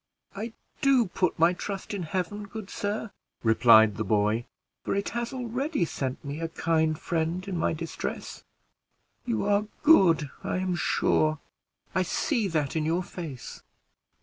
"I do put my trust in Heaven, good sir," replied the boy; "for it has already sent me a kind friend in my distress. You are good, I am sure; I see that in your face.